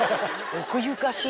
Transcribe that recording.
奥ゆかしい。